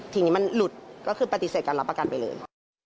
ทีนี้มันหลุดก็คือปฏิเสธการรับประกันไปเลย